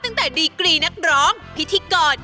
ตั้งแต่ดีกรีนักร้องพิธีกร